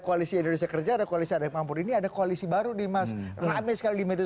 koalisi indonesia kerja ada koalisi adek mampur ini ada koalisi baru di mas rame sekali media